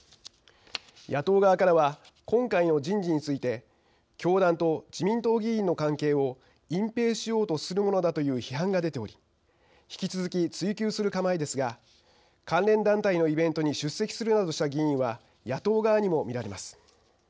野党側からは今回の人事について教団と自民党議員の関係を隠ぺいしようとするものだという批判が出ており引き続き、追及する構えですが関連団体のイベントに出席するなどした議員は野党側にも見られます。